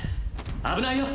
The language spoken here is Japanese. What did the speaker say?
危ないよ！